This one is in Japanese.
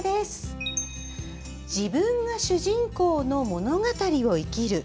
「自分が主人公の物語を生きる」。